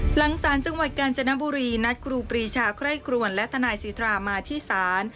หลังศาลจังหวัดกาญจนบุรีนัดครูปรีชาไคร่ครวนและทนายสิทรามาที่ศาล